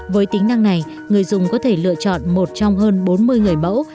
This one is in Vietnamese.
với tính năng này người dùng có thể lựa chọn một trong hơn bốn mươi người mẫu